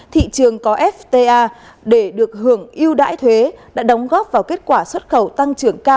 thị trường có fta để được hưởng yêu đại thuế đã đóng góp vào kết quả xuất khẩu